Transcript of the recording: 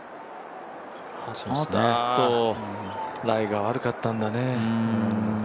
ライが悪かったんだね。